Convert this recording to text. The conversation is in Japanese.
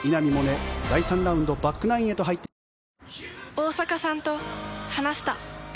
大坂さんと話した。